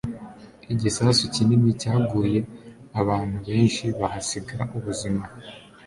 Igisasu kinini cyaguye, abantu benshi bahasiga ubuzima.